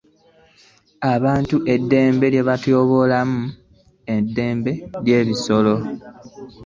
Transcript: Engeri abantu gye batyoboola eddembe ly'ebisolo.